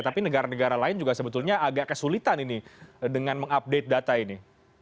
tapi negara negara lain juga sebetulnya agak kesulitan ini dengan mengupdate data ini